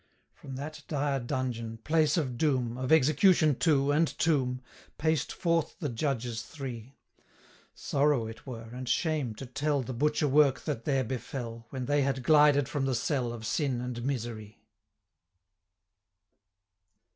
From that dire dungeon, place of doom, Of execution too, and tomb, Paced forth the judges three; Sorrow it were, and shame, to tell 605 The butcher work that there befell, When they had glided from the cell Of sin and misery.